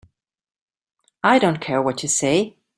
I don't care what you say.